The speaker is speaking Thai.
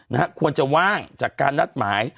นะฮะควรจะว่างจากการนัดหมาย